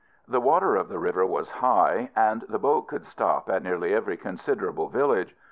The water of the river was high, and the boat could stop at nearly every considerable village.